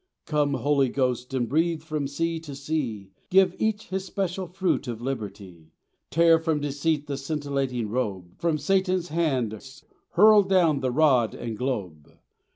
Come, Holy Ghost, and breathe from sea to sea, Give each his special fruit of liberty; Tear from deceit the scintillating robe, From Satan's hands hurl down the rod and globe.